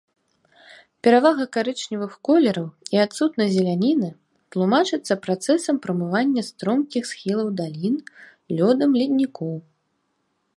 Перавага карычневых колераў і адсутнасць зеляніны тлумачыцца працэсам прамывання стромкіх схілаў далін лёдам леднікоў.